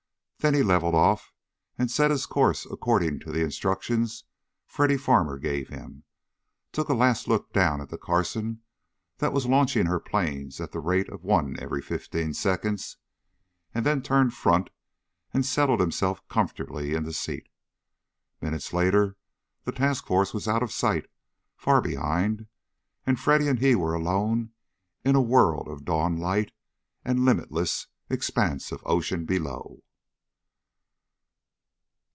There he leveled off, set his course according to the instructions Freddy Farmer gave him, took a last look down at the Carson that was launching her planes at the rate of one every fifteen seconds, and then turned front and settled himself comfortably in the seat. Minutes later the task force was out of sight far behind and Freddy and he were alone in a world of dawn light and limitless expanse of ocean below.